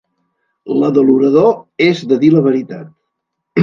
La de l'orador és de dir la veritat.